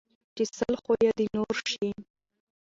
ـ چې سل خويه د نور شي